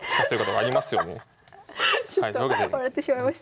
ちょっと笑ってしまいました。